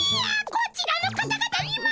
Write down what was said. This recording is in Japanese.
こちらの方々にも。